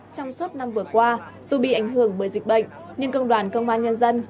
trong suốt năm vừa qua dù bị ảnh hưởng bởi dịch bệnh nhưng công đoàn công an nhân dân